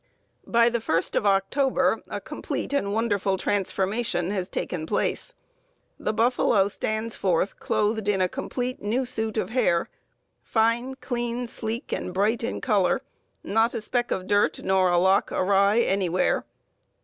By the first of October, a complete and wonderful transformation has taken place. The buffalo stands forth clothed in a complete new suit of hair, fine, clean, sleek, and bright in color, not a speck of dirt nor a lock awry anywhere.